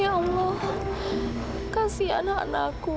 kamu canggung kan siap atau gak kan